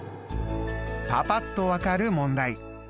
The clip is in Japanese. パパっと分かる問題。